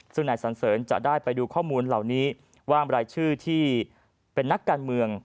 ซึ่งนายสันเสริญจะได้ไปดูข้อมูลเหล่านี้ว่ารายชื่อที่เป็นนักการเมือง